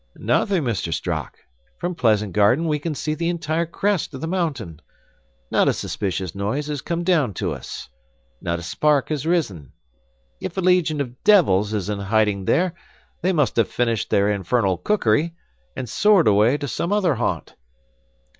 "Nothing, Mr. Strock. From Pleasant Garden we can see the entire crest of the mountain. Not a suspicious noise has come down to us. Not a spark has risen. If a legion of devils is in hiding there, they must have finished their infernal cookery, and soared away to some other haunt."